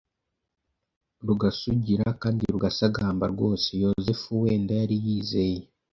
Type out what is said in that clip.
rugasugira kandi rugasagamba rwose. yozefuwenda yari yizeye